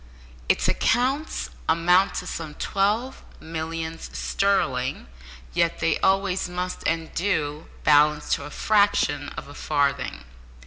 Its accounts amount to some twelve millions sterling, yet they always must, and do, balance to a fraction of a farthing.